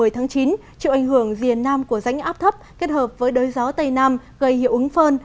triệu ảnh hưởng riền nam của ránh áp thấp kết hợp với đới gió tây nam gây hiệu ứng phơn